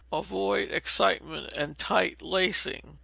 Avoid excitement and tight lacing.